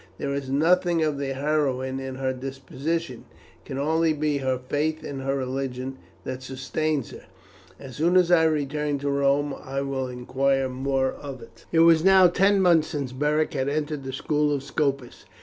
There is nothing of the heroine in her disposition; it can only be her Faith in her religion that sustains her. As soon as I return to Rome I will inquire more into it." It was now ten months since Beric had entered the school of Scopus.